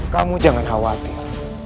kamu jangan khawatir